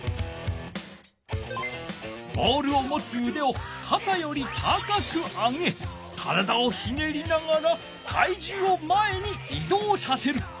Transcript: ボールをもつうでをかたより高く上げ体をひねりながら体じゅうを前にいどうさせる。